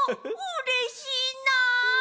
うれしいな！